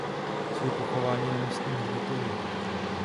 Jsou pochováni na místním hřbitově.